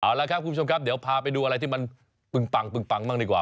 เอาละครับคุณผู้ชมครับเดี๋ยวพาไปดูอะไรที่มันปึงปังปึงปังบ้างดีกว่า